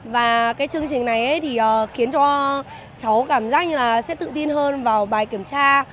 và cái chương trình này thì khiến cho cháu cảm giác như là sẽ tự tin hơn vào bài kiểm tra